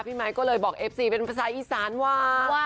ไมค์ก็เลยบอกเอฟซีเป็นภาษาอีสานว่า